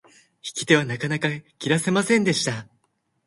引き手はなかなか切らせませんでした。